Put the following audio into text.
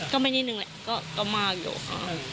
ก็ไปนิดหนึ่งก็มากอยู่ค่ะ